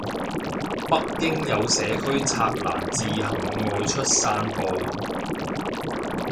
北京有社區拆欄自行外出散步